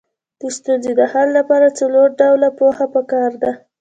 د ستونزې د حل لپاره څلور ډوله پوهه پکار ده.